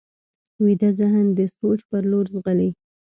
ویده ذهن د سوچ پر لور ځغلي